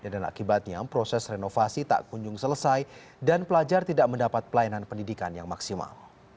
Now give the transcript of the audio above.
dan akibatnya proses renovasi tak kunjung selesai dan pelajar tidak mendapat pelayanan pendidikan yang maksimal